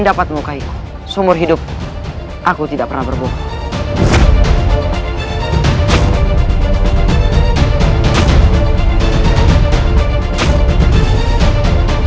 dapat mukaiku seumur hidup aku tidak pernah berbohong